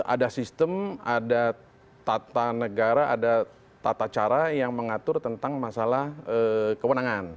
ada sistem ada tata negara ada tata cara yang mengatur tentang masalah kewenangan